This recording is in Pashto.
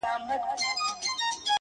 داسې په نه خبره نه خبره هيڅ مه کوه;